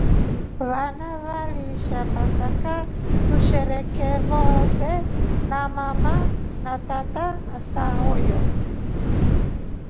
Wana walisha pasaka tusherekee wose na mama na tata na shokuyo na sayo.